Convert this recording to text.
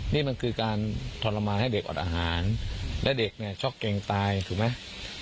นี่มันคือการทรมานให้เด็กอ่อนอาหารและเด็กเนี่ยช็อกเกรงตายถูกไหม